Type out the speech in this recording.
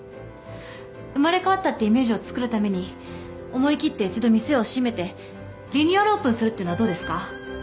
生まれ変わったってイメージを作るために思い切って１度店を閉めてリニューアルオープンするっていうのはどうですか？